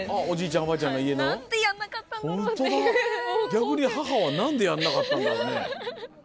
逆に母は何でやんなかったんだろうね？